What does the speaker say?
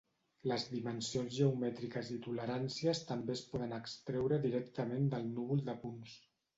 Les dimensions geomètriques i toleràncies també es poden extreure directament del núvol de punts.